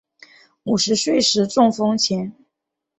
五十岁时中风前